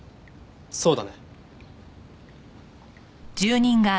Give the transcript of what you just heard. そうだね？